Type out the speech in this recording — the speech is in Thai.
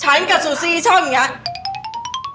ฉันกับซูซี่ชอบอย่างเงี้ย